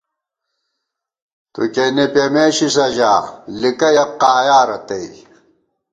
تُوکېنے پېمېشِسہ ژا ، لِکہ یَک قایا رتئ